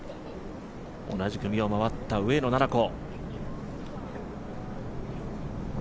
同じ組を回った上野菜々子。